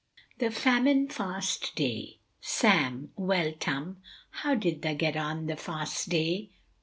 THE FAMINE FAST DAY. Sam Well Tum, how did tha get on oth' Fast day.